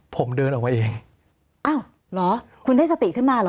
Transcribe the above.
ผมเดินออกมาเองอ้าวเหรอคุณได้สติขึ้นมาเหรอ